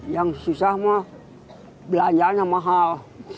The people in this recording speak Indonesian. yang susah mah belanjanya mahal